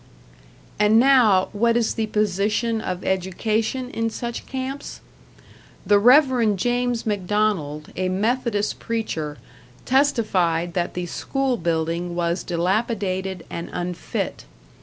And now, what is the position of education in such camps? The Rev. James McDonald, a Methodist preacher, testified that the school building was dilapidated and unfit.